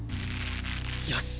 よし！